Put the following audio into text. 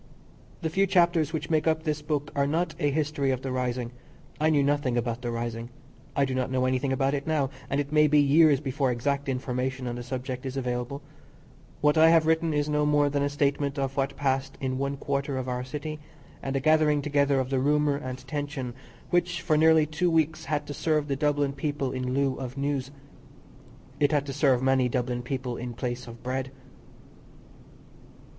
The few chapters which make up this book are not a history of the rising. I knew nothing about the rising. I do not know anything about it now, and it may be years before exact information on the subject is available. What I have written is no more than a statement of what passed in one quarter of our city, and a gathering together of the rumour and tension which for nearly two weeks had to serve the Dublin people in lieu of news. It had to serve many Dublin people in place of bread.